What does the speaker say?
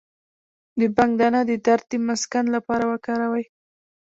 د بنګ دانه د درد د مسکن لپاره وکاروئ